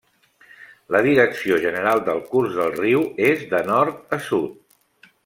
La direcció general del curs del riu és de nord a sud.